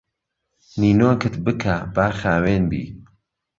نینۆکت بکە با خاوێن بی